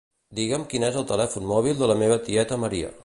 Digue'm quin és el telèfon mòbil de la meva tieta Maria.